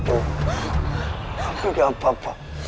tidak ada apa apa